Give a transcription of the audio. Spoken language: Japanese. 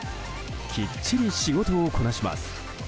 きっちり仕事をこなします。